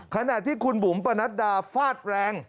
ขณะที่คุณบุ๋มปนัดดาฟาดแรง